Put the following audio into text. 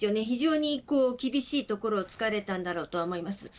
非常に厳しいところを突かれたんだろうと思います。